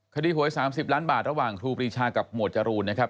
หวย๓๐ล้านบาทระหว่างครูปรีชากับหมวดจรูนนะครับ